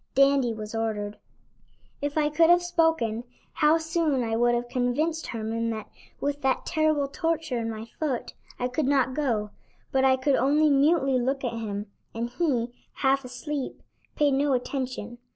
Dandy was ordered. If I could have spoken, how soon I would have convinced Herman that, with that terrible torture in my foot, I could not go, but I could only mutely look at him, and he, half asleep, paid no attention.